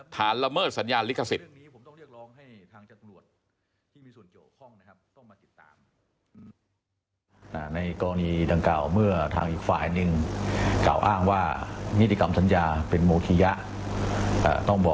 ละเมิดสัญญาณลิขสิทธิ์